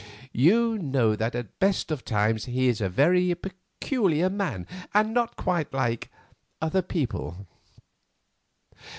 You know that at the best of times he is a very peculiar man and not quite like other people.